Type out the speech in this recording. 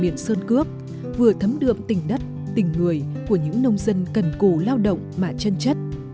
các hành vi nguyên liệu cao tiền sơn cướp vừa thấm đượm tình đất tình người của những nông dân cần cổ lao động mà chân chất